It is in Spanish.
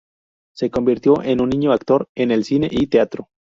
Se convirtió en un niño actor en el cine y teatro.